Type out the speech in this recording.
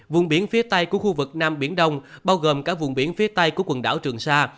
vùng biển phía tây của khu vực nam biển đông bao gồm cả vùng biển phía tây của quần đảo trường sa